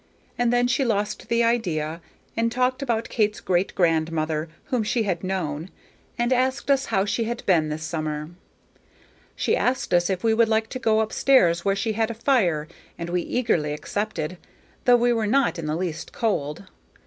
And then she lost the idea, and talked about Kate's great grandmother, whom she had known, and asked us how she had been this summer. She asked us if we would like to go up stairs where she had a fire, and we eagerly accepted, though we were not in the least cold.